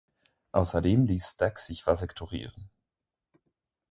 Außerdem ließ Stack sich vasektorieren.